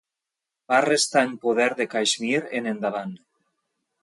Va restar en poder de Caixmir en endavant.